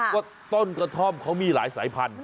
ว่าต้นกระท่อมเขามีหลายสายพันธุ